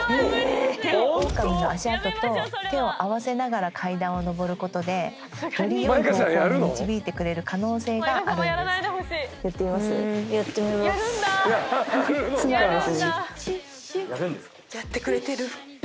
オオカミの足跡と手を合わせながら階段を上ることでより良い方向に導いてくれる可能性があるんです。